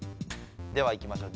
ではいきましょう。